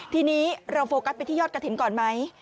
ทีนี้เราโฟกัสไปที่ยอดกระถิ่นก่อนไหม